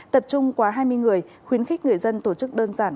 tập trung quá hai mươi người khuyến khích người dân tổ chức đơn giản